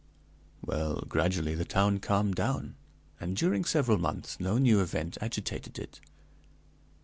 "Well, gradually the town calmed down, and, during several months, no new event agitated it.